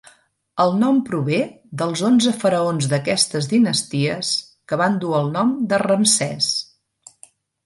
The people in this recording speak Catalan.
El nom prové dels onze faraons d'aquestes dinasties que van dur el nom de Ramsès.